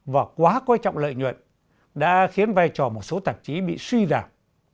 và quá quan trọng lợi nhuận đã khiến vai trò một số tạp chí bị suy giảm